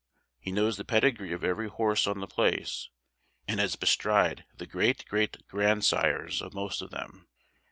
He knows the pedigree of every horse on the place, and has bestrid the great great grandsires of most of them.